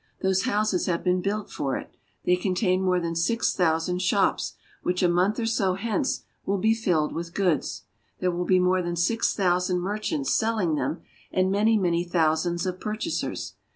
Those houses have been built for it; they contain more than six thousand shops, which a month or so hence will be filled with goods. There will be more than six thousand merchants selling them, and many, many thousands of purchasers.